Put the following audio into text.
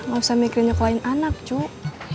gak usah mikirin nyoklain anak cuy